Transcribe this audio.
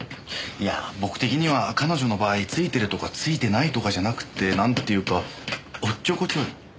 いや僕的には彼女の場合ツイてるとかツイてないとかじゃなくってなんていうかおっちょこちょい。